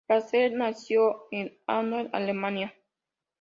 Prager nació en Hannover, Alemania.